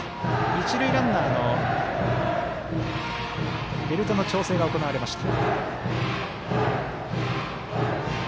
一塁ランナーのベルトの調整が行われました。